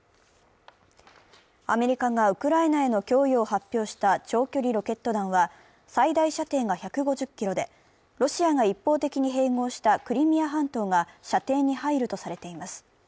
アメリカがウクライナへの供与を発表した長距離ロケット弾は最大射程が１５０ｋｍでロシアが一方的に併合したクリミア半島が射程に入るとされています。